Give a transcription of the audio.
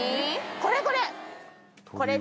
これこれ！